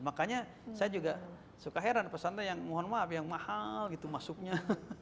makanya saya juga suka heran pesantren yang mohon maaf yang mahal gitu masuknya